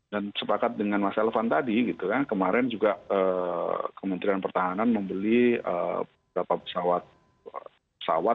dan sepakat dengan mas elvan tadi kemarin juga kementerian pertahanan membeli beberapa pesawat